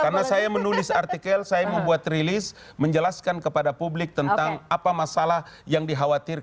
karena saya menulis artikel saya membuat rilis menjelaskan kepada publik tentang apa masalah yang dikhawatirkan